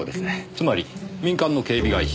つまり民間の警備会社。